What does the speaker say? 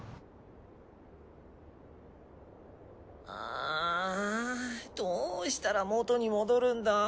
あぁどうしたら元に戻るんだ？